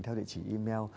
theo địa chỉ email